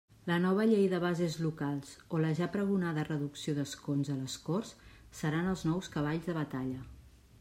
La nova llei de bases locals o la ja pregonada reducció d'escons a les Corts seran els nous cavalls de batalla.